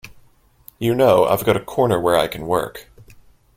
You know, I’ve got a corner where I can work.